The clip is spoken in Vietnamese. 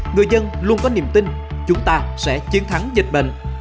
người dân luôn có niềm tin chúng ta sẽ chiến thắng dịch bệnh